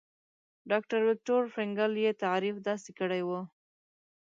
ډاکټر ويکټور فرېنکل يې تعريف داسې کړی وو.